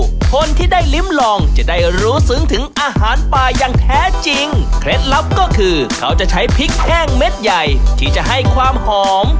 คนที่ได้ลิ้มลองจะได้รู้ซึ้งถึงอาหารป่าอย่างแท้จริงเคล็ดลับก็คือเขาจะใช้พริกแห้งเม็ดใหญ่ที่จะให้ความหอม